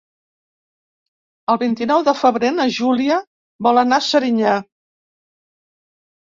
El vint-i-nou de febrer na Júlia vol anar a Serinyà.